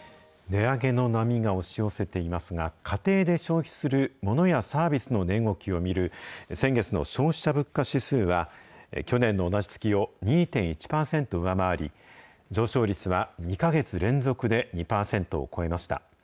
値上げの波が押し寄せていますが、家庭で消費するモノやサービスの値動きを見る先月の消費者物価指数は、去年の同じ月を２．１％上回り、上昇率は２か月連続で２％を超えました。